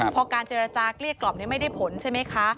พอการเจรจากลร่อนี่ไม่ได้ผลใช่ไหมคะ